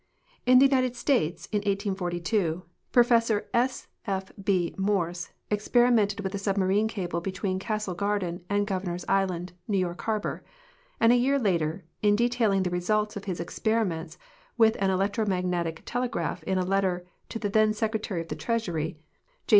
In tlie United States, in 1842, Professor S. F. B. INIorse experi mented witli a sulmiarine cable l^etween Castle Garden and Governor's island, New York harbor, and a year later, in detail ing the results of his exi)eriments with an electro magnetic tele graph in a letter to the then Secretary of the Treasury, J.